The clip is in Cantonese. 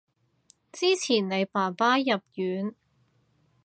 之前你爸爸入院